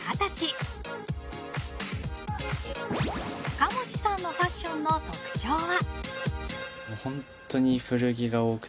蒲生地さんのファッションの特徴は。